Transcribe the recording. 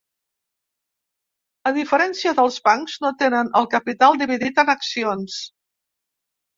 A diferència dels bancs, no tenen el capital dividit en accions.